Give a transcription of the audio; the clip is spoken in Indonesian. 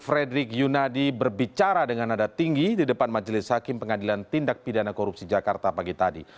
fredrik yunadi berbicara dengan nada tinggi di depan majelis hakim pengadilan tindak pidana korupsi jakarta pagi tadi